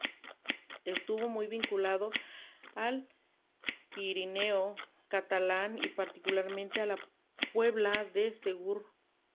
Estuvo muy vinculado al Pirineo catalán, y particularmente a la Puebla de Segur.